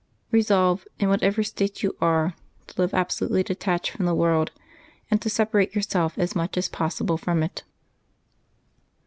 Resolve, in whatever state you are, to live absolutely detached from the world, and to separate yourself as much as possible from it.